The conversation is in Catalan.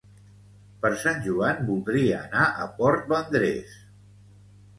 Per Sant Joan voldria anar a Port Vendres